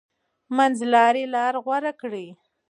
منځلاري لار غوره کړئ.